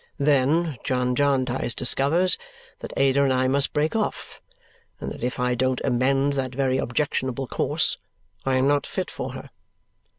Then John Jarndyce discovers that Ada and I must break off and that if I don't amend that very objectionable course, I am not fit for her.